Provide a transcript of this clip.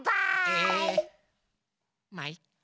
ええ⁉まいっか！